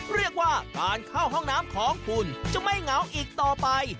เรียกว่าการเข้าห้องน้ำของคุณจะไม่เหงาอีกต่อไป